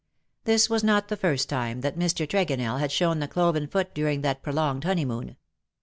This was not the first time that Mr. Tregonell had shown the cloven foot during that prolonged honeymoon.